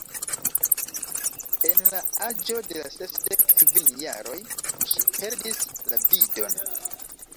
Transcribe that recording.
En la aĝo de sesdek kvin jaroj ŝi perdis la vidon.